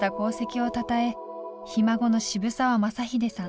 ひ孫の渋沢雅英さん